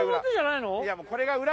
いやもうこれがうら！